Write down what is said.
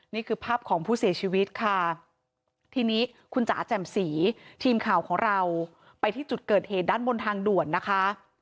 นี่คือภาพของผู้เสียชีวิตค่ะทีนี้คุณจ๋าแจ่มสีทีมข่าวของเราไปที่จุดเกิดเหตุด้านบนทางด่วนนะคะ